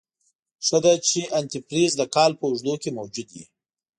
ښه ده چې انتي فریز دکال په اوږدو کې موجود وي.